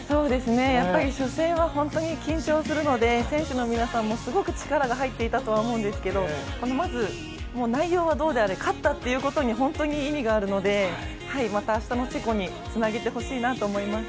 やっぱり初戦は本当に緊張するので選手の皆さんもすごく力が入っていたとは思うんですけれども、まず、内容はどうであれ勝ったっていうことに本当に意味があるのでまた明日のチェコにつなげてほしいなと思います。